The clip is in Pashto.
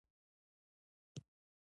دوئ عام کډوال نه دي.